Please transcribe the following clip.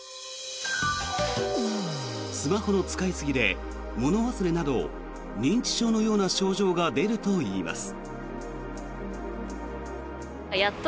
スマホの使い過ぎで物忘れなど認知症のような症状が出るといいます。